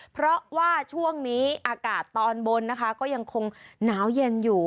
เพราะว่าช่วงนี้อากาศตอนบนนะคะก็ยังคงหนาวเย็นอยู่